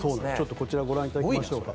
こちらをご覧いただきましょうか。